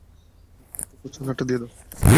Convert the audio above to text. ওকে কুকুরছানাটা দিয়ে দাও।